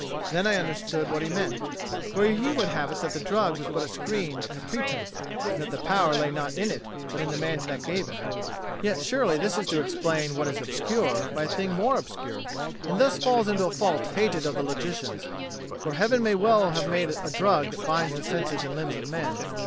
Then I understood what he meant; for he would have it that the drug was but a screen and a pretence, and that the power lay not in it, but in the man that gave it. Yet surely this is to explain what is obscure by a thing more obscure, and falls thus into a fault hated of the logicians. For Heaven may well have made a drug that binds the senses and limbs of men.